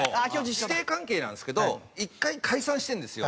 師弟関係なんですけど１回解散してるんですよ。